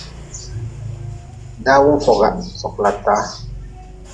Dawa n foga sokla taa.